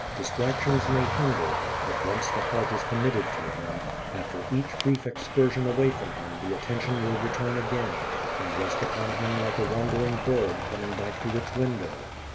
Distractions may hinder, but once the heart is committed to Him, after each brief excursion away from Him the attention will return again and rest upon Him like a wandering bird coming back to its window.